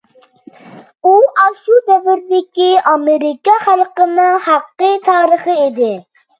ئۇ ئاشۇ دەۋردىكى ئامېرىكا خەلقىنىڭ ھەقىقىي تارىخى ئىدى.